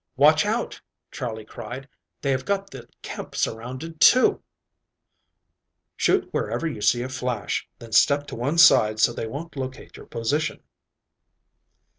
"Watch out!" Charley cried, "they have got the camp surrounded, too." "Shoot wherever you see a flash, then step to one side so they won't locate your position."